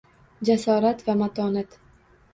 Jasorat va matonat